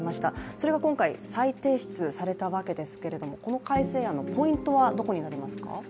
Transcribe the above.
それが今回再提出されたわけですけれども、この改正案のポイントはどこになりますか？